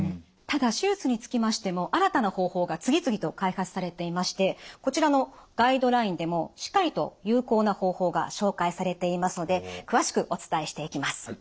ただ手術につきましても新たな方法が次々と開発されていましてこちらのガイドラインでもしっかりと有効な方法が紹介されていますので詳しくお伝えしていきます。